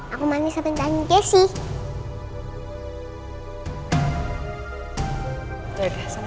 aku mandi sama tantu jisih